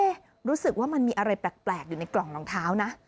รู้สึกว่ามันมีอะไรแปลกอยู่ในกล่องรองเท้านะ